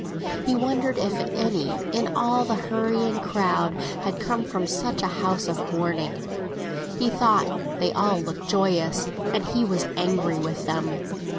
He wondered if any in all the hurrying crowd had come from such a house of mourning. He thought they all looked joyous, and he was angry with them.